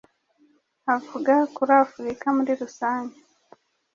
avuga kuri Afurika muri rusange